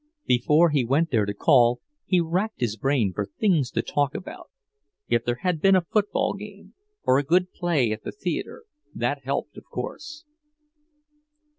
Before he went there to call, he racked his brain for things to talk about. If there had been a football game, or a good play at the theatre, that helped, of course.